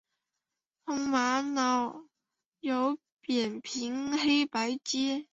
红玛瑙有扁平黑白阶。